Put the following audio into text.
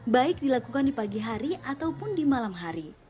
baik dilakukan di pagi hari ataupun di malam hari